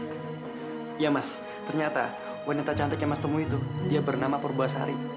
iya mas ternyata wanita cantik yang mas temu itu dia bernama purbasari